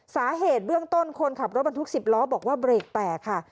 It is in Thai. สาเหตุเบื้องต้นคนขับรถบรรทุก๑๐ล้อบอกว่าเบรกแตกค่ะ